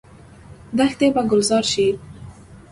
دښتې به ګلزار شي.